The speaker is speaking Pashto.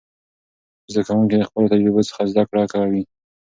زده کوونکي د خپلو تجربو څخه زده کړه کوي.